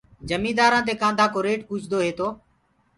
جميدآرو دي ڪآنڌآ ڪو ريٽ پوڇدو هي تو